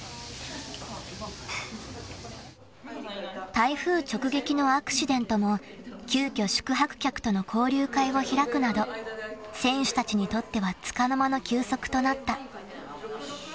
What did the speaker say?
［台風直撃のアクシデントも急きょ宿泊客との交流会を開くなど選手たちにとってはつかの間の休息となった］